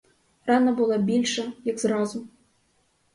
Рана була більша, як зразу.